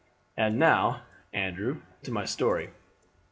And now, Andrew, to my story.